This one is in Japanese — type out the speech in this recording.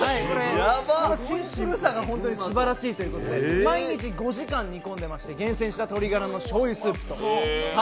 シンプルさが本当にすばらしいということで毎日５時間煮込んでいまして、厳選した鶏ガラのしょうゆスープ。